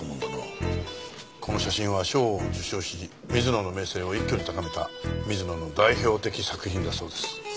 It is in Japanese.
この写真は賞を受賞し水野の名声を一挙に高めた水野の代表的作品だそうです。